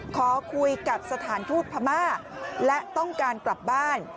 ขอคุยกับสถานทูตพม่าและต้องการกลับบ้าน